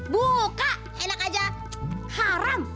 buka enak aja haram